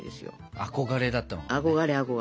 憧れだったのね。